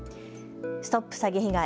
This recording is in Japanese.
ＳＴＯＰ詐欺被害！